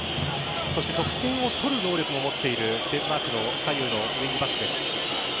そして得点を取る能力も持っている、デンマークの左右のウイングバックです。